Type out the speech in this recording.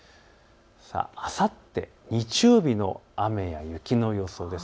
あさって日曜日の雨や雪の予想です。